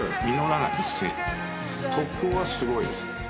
ここはすごいです。